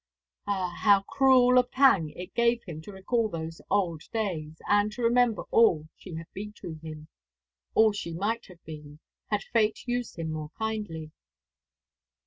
Ah, how cruel a pang it gave him to recall those old days, and to remember all she had been to him, all she might have been, had Fate used him more kindly!